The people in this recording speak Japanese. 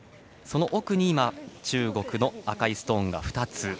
その奥に中国の赤いストーンが２つ。